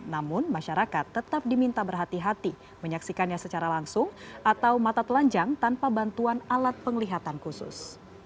namun masyarakat tetap diminta berhati hati menyaksikannya secara langsung atau mata telanjang tanpa bantuan alat penglihatan khusus